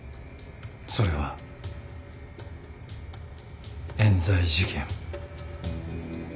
それは冤罪事件。